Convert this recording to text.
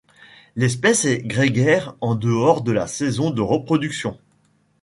L'espèce est grégaire en dehors de la saison de reproduction.